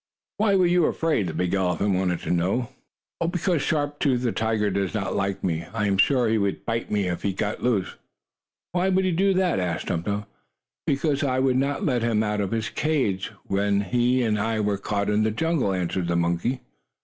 "Why were you afraid?" the big elephant wanted to know. "Oh, because Sharp Tooth, the tiger, does not like me. I am sure he would bite me, if he got loose." "Why would he do that?" asked Tum Tum. "Because I would not let him out of his cage, when he and I were caught in the jungle," answered the monkey.